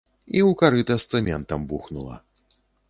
І ў карыта з цэментам бухнула.